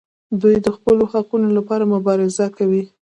دوی د خپلو حقونو لپاره مبارزه کوي.